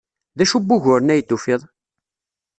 D acu n wuguren ay d-tufid?